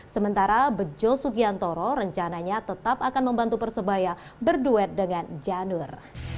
sementara bejo sugiantoro rencananya tetap akan membantu persebaya berduet dengan janur